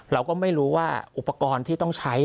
เราก็ไม่รู้ว่าอุปกรณ์ที่ต้องใช้